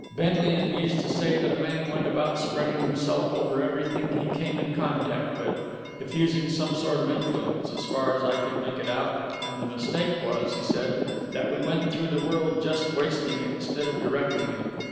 Benlian used to say that a man went about spreading himself over everything he came in contact with diffusing some sort of influence (as far as I could make it out); and the mistake was, he said, that we went through the world just wasting it instead of directing it.